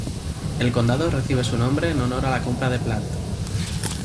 El condado recibe su nombre en honor a la compra de Platte.